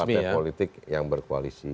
yang dari partai politik yang berkoalisi